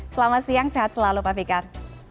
selamat siang sehat selalu pak fikar